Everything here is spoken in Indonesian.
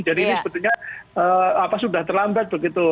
jadi ini sebetulnya sudah terlambat begitu